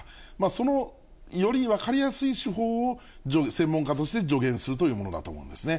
そのより分かりやすい手法を、専門家として助言するというものだと思うんですね。